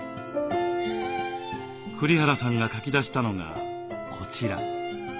栗原さんが書き出したのがこちら。